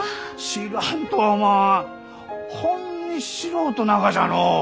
知らんとはおまんほんに素人ながじゃのう！